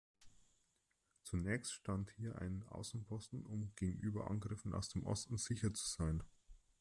Zunächst stand hier ein Außenposten, um gegenüber Angriffen aus dem Osten sicher zu sein.